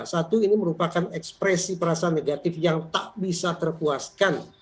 satu ini merupakan ekspresi perasaan negatif yang tak bisa terpuaskan